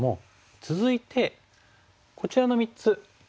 続いてこちらの３つ。